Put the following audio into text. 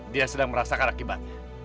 dia sedang merasakan akibatnya